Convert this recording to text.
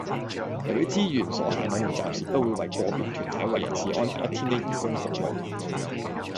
由於資源所限，我們暫時不會為個別團體或人士安排一天的義工服務